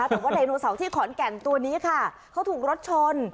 แต่ว่าไดโนเสาร์ที่ขอนแก่นตัวนี้ค่ะเขาถูกรถชน